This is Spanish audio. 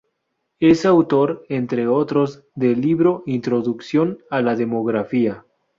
Es autor, entre otros, del libro "Introducción a la demografía".